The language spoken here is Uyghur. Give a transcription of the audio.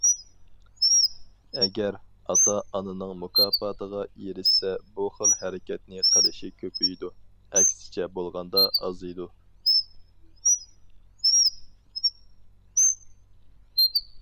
ئەگەر ئاتا- ئانىنىڭ مۇكاپاتىغا ئېرىشسە، بۇ خىل ھەرىكەتنى قىلىشى كۆپىيىدۇ، ئەكسىچە بولغاندا ئازىيىدۇ.